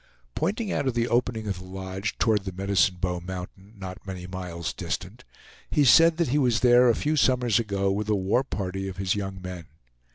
Pointing out of the opening of the lodge toward the Medicine Bow Mountain, not many miles distant he said that he was there a few summers ago with a war party of his young men.